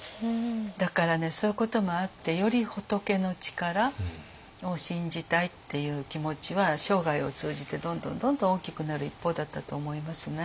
だからねそういうこともあってより仏の力を信じたいっていう気持ちは生涯を通じてどんどんどんどん大きくなる一方だったと思いますね。